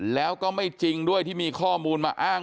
แล้วก็ไม่จริงด้วยที่มีข้อมูลมาอ้าง